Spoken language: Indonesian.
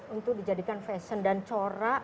untuk dijadikan fashion dan corak